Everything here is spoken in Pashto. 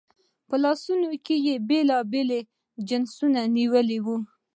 په لاسونو کې یې بېلابېل جنسونه نیولي وو.